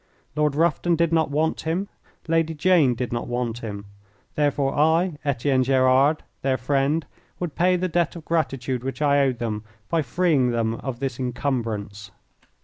Lord Rufton did not want him. Lady Jane did not want him. Therefore, I, Etienne Gerard, their friend, would pay the debt of gratitude which I owed them by freeing them of this encumbrance.